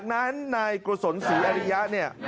นายกุศลศรีอาริยะเนี่ย